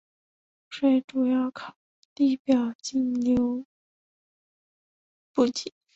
湖水主要靠地表径流补给。